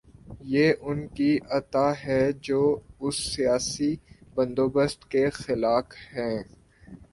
یہ ان کی عطا ہے جو اس سیاسی بندوبست کے خالق ہیں۔